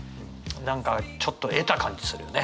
何かちょっと得た感じするよね。